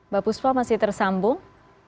mba puspa masih tersambung